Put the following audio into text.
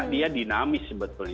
dia dinamis sebetulnya